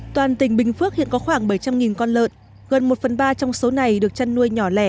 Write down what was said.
toàn tỉnh bình phước hiện có khoảng bảy trăm linh con lợn gần một phần ba trong số này được chăn nuôi nhỏ lẻ